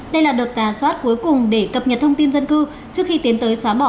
đây là đợt tà soát cuối cùng để cập nhật thông tin dân cư trước khi tiến tới xóa bỏ